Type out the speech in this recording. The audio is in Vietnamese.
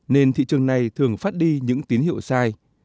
nên thị trường này thường phát đi những tín hiệu sai